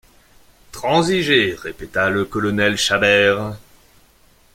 Transiger, répéta le colonel Chabert.